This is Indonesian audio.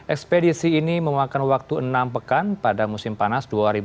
ekspedisi ini memakan waktu enam pekan pada musim panas dua ribu dua puluh